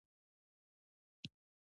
افسر په غوسه شو چې ته ولې ماته لاره ښیې